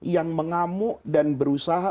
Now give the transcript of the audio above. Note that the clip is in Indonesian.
yang mengamuk dan berusaha